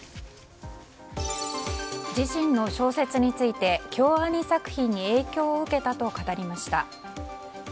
自身の小説について京アニ作品に影響を受けたと語りました。